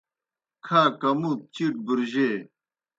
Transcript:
کھا کمُوت چِیٹ بُرجے